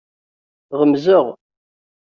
Ɣemzeɣ.